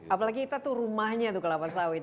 apalagi kita tuh rumahnya tuh kelapa sawit